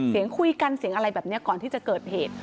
เสียงคุยกันเสียงอะไรแบบนี้ก่อนที่จะเกิดเหตุ